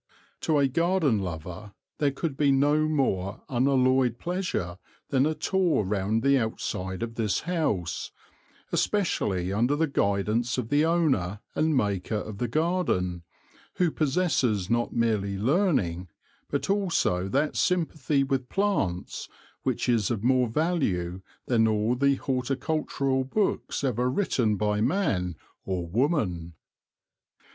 To a garden lover there could be no more unalloyed pleasure than a tour round the outside of this house, especially under the guidance of the owner and maker of the garden, who possesses not merely learning, but also that sympathy with plants which is of more value than all the horticultural books ever written by man or woman.